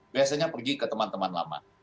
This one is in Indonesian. biasanya pergi ke teman teman lama